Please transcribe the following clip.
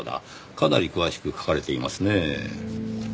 かなり詳しく書かれていますねぇ。